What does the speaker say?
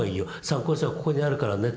参考書はここにあるからね。